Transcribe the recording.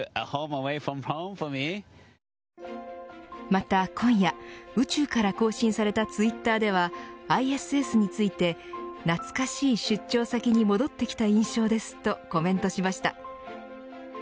また今夜、宇宙から更新されたツイッターではＩＳＳについて懐かしい出張先に戻ってきた印象ですとコメントしました。